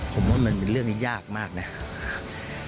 ผมว่ามันเป็นเรื่องที่ยากมากนะครับ